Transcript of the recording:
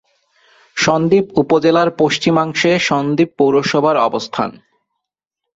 সন্দ্বীপ উপজেলার পশ্চিমাংশে সন্দ্বীপ পৌরসভার অবস্থান।